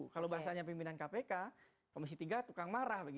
kalau bahasanya pimpinan kpk komisi tiga tukang marah